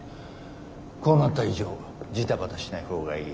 こうなった以上ジタバタしない方がいい。